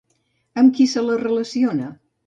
Amb qui se la relaciona?